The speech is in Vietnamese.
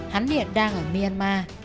hắn hiện đang ở myanmar